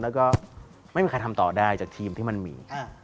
แล้วก็ไม่มีใครทำต่อได้จากทีมที่มันมี